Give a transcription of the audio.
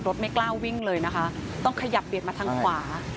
ไม่กล้าวิ่งเลยนะคะต้องขยับเบียดมาทางขวา